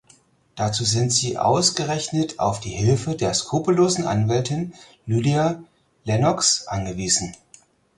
Dazu sind sie ausgerechnet auf die Hilfe der skrupellosen Anwältin Lydia Lennox angewiesen.